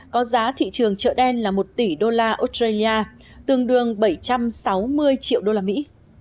có giá thị trường chợ đen là một tỷ đô la australia tương đương bảy trăm sáu mươi triệu đô la mỹ